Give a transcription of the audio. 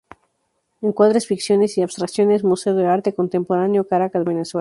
Encuadres, ficciones y abstracciones," Museo de Arte Contemporáneo, Caracas, Venezuela.